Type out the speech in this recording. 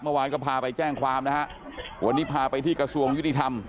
เมื่อวานก็พาไปแจ้งความนะฮะวันนี้พาไปที่กระทรวงยุติธรรม